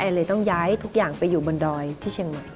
เลยต้องย้ายทุกอย่างไปอยู่บนดอยที่เชียงใหม่